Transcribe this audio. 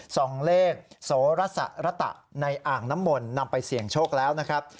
ส่องเลขโสรสารตะในอ่างน้ำมนต์นำไปเสี่ยงโชคแล้วนะครับ